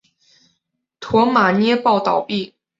驼马捏报倒毙。